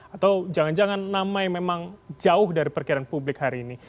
atau jangan jangan nama yang memang jauh dari perkiraan publik hari ini